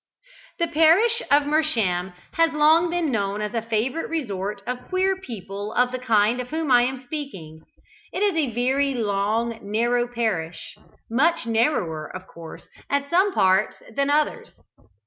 The parish of Mersham has long been known as a favourite resort of queer people of the kind of whom I am speaking. It is a very long, narrow parish: much narrower, of course, at some parts than others.